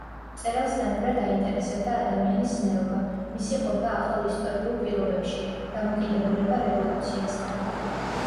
მწერალს თანაბრად აინტერესებდა ადამიანის ზნეობა, მისი ყოფა ახალ ისტორიულ პირობებში, დამოკიდებულება რევოლუციასთან.